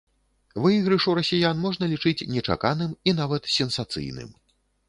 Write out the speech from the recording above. Выйгрыш у расіян можна лічыць нечаканым і нават сенсацыйным.